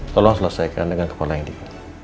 tolong selesaikan dengan kepala yang dikut